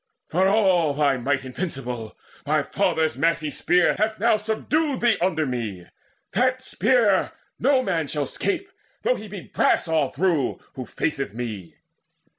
For all thy might invincible, My father's massy spear hath now subdued Thee under me, that spear no man shall 'scape, Though he be brass all through, who faceth me."